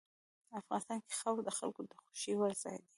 افغانستان کې خاوره د خلکو د خوښې وړ ځای دی.